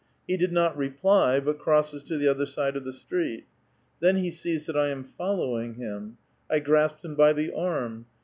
He did not reply, but crosses to the other side of the street. Then he sees that I am follow ing him ; I grasped him by the arm.